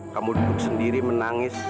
kamu duduk sendiri menangis